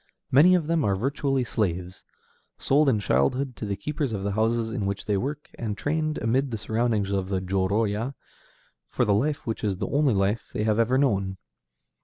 Many of them are virtually slaves, sold in childhood to the keepers of the houses in which they work, and trained, amid the surroundings of the jōrōya, for the life which is the only life they have ever known.